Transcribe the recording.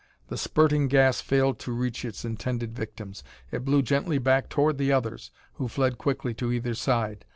The spurting gas failed to reach its intended victims; it blew gently back toward the others who fled quickly to either side.